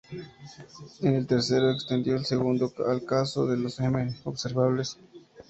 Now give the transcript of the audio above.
En el tercero extendió el segundo al caso de los "m" observables.